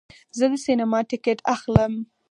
زه د سینما ټکټ اخلم.